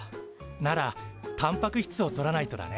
ならたんぱく質をとらないとだね。